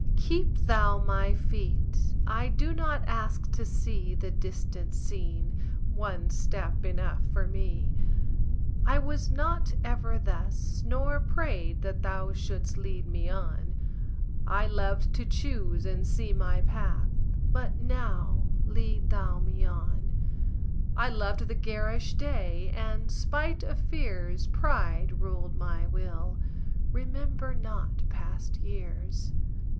Keep Thou my feet; I do not ask to see The distant scene; one step enough for me. I was not ever thus, nor prayed that Thou Shouldst lead me on; I loved to choose and see my path; but now Lead Thou me on. I loved the garish day; and, spite of fears, Pride ruled my will: remember not past years.